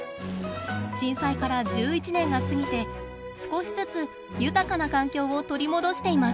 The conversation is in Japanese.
震災から１１年が過ぎて少しずつ豊かな環境を取り戻しています。